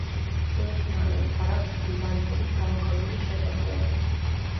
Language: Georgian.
ციხესიმაგრე ფარავს გიგანტური გამოქვაბულის შესასვლელს.